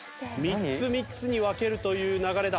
３つ３つに分けるという流れだ。